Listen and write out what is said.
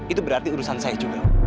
itu berarti urusan saya juga